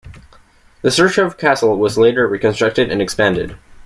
The Sychrov Castle was later reconstructed and expanded.